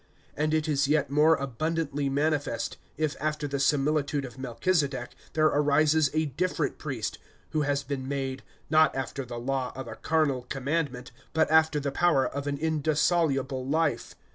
(15)And it is yet more abundantly manifest, if after the similitude of Melchizedek there arises a different priest, (16)who has been made, not after the law of a carnal commandment, but after the power of an indissoluble life.